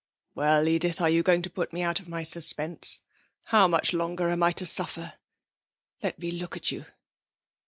Well, Edith, are you going to put me out of my suspense? How much longer am I to suffer? Let me look at you.'